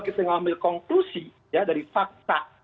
kita mengambil konklusi ya dari fakta